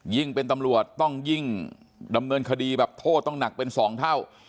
เป็นตำรวจต้องยิ่งดำเนินคดีแบบโทษต้องหนักเป็น๒เท่า